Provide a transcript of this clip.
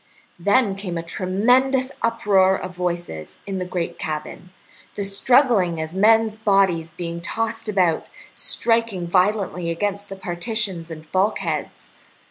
Then came a tremendous uproar of voices in the great cabin, the struggling as of men's bodies being tossed about, striking violently against the partitions and bulkheads.